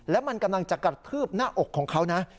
และมันกำลังจะกระทืบหน้าอกของเขานะ